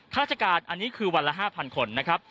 ราชการอันนี้คือวันละ๕๐๐คนนะครับ